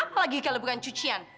apalagi kalau bukan cucian